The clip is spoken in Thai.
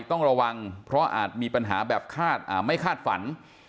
ต้องระวังเพราะอาจมีปัญหาแบบไม่คาดฝัน